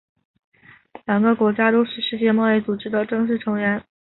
两个国家都是世界贸易组织的正式成员。